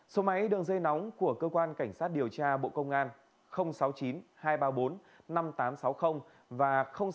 số máy đường dây nóng của cơ quan cảnh sát điều tra bộ công an sáu mươi chín hai trăm ba mươi bốn năm nghìn tám trăm sáu mươi và sáu mươi chín hai trăm ba mươi hai một nghìn sáu trăm sáu mươi bảy